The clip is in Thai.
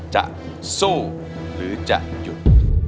จะสู้หรือจะหยุด